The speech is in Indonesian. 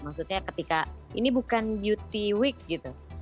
maksudnya ketika ini bukan beauty week gitu